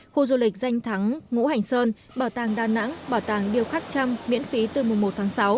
khu du lịch danh thắng ngũ hành sơn bảo tàng đà nẵng bảo tàng điêu khắc trăm miễn phí từ mùa một tháng sáu